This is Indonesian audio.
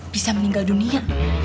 bisa meninggal dunia